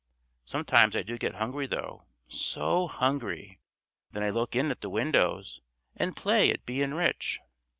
Sometimes I do get hungry though, so hungry! Then I look in at the windows and play at bein' rich."